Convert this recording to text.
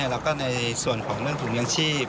และส่วนของเองถุงยางชีพ